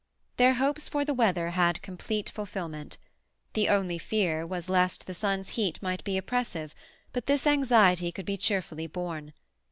Their hopes for the weather had complete fulfilment. The only fear was lest the sun's heat might be oppressive, but this anxiety could be cheerfully borne.